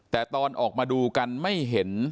แต่ตอนออกมาดูกันไม่เห็น